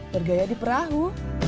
bergaya di perahu